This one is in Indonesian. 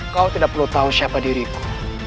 kau tidak perlu tahu siapa diriku